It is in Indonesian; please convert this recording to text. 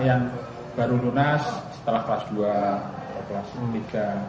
yang baru lunas setelah kelas dua kelas tiga